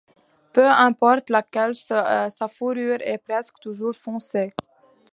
Peu importe laquelle, sa fourrure est presque toujours foncée.